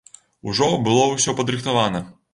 Ужо было ўсё падрыхтавана.